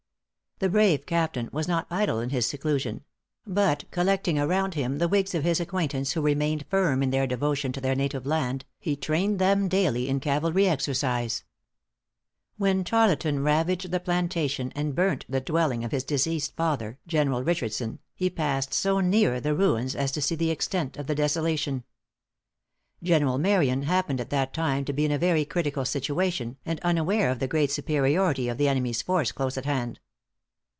The brave captain was not idle in his seclusion; but collecting around him the whigs of his acquaintance who remained firm in their devotion to their native land, he trained them daily in cavalry exercise. When Tarleton ravaged the plantation and burnt the dwelling of his deceased father, General Richardson, he passed so near the ruins as to see the extent of the desolation. General Marion happened at that time to be in a very critical situation, and unaware of the great superiority of the enemy's force close at hand.